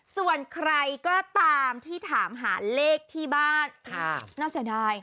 ส่วนใครก็ตามที่ถามหาเลขที่บ้านน่าเสียดาย